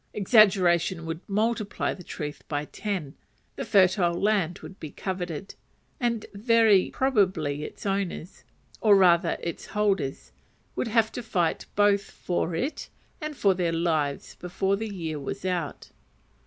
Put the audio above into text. Exaggeration would multiply the truth by ten, the fertile land would be coveted, and very probably its owners, or rather its holders, would have to fight both for it and for their lives before the year was out.